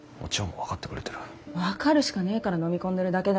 分かるしかねぇから飲み込んでるだけだに。